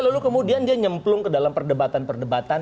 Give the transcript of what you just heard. lalu kemudian dia nyemplung ke dalam perdebatan perdebatan